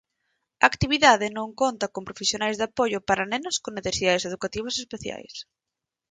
"A actividade non conta con profesionais de apoio para nenos con necesidades educativas especiais".